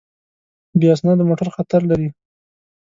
بې اسنادو موټر خطر لري.